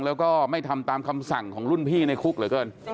แล้วก็ไม่ทำตามคำสั่งของรุ่นพี่ในคุกเหลือเกิน